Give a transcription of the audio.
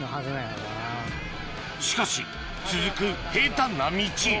しかし続く平たんな道